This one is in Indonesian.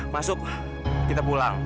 masuk kita pulang